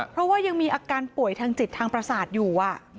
เพราะว่ายังมีอาการป่วยทางจิตทางประสาทอยู่